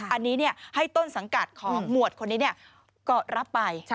อันนี้ให้ต้นสังกัดของหมวดคนนี้ก็รับไป